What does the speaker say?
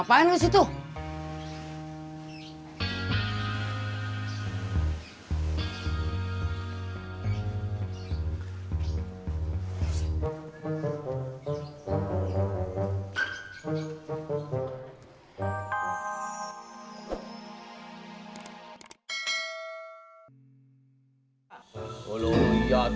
apa yang terjadi di sana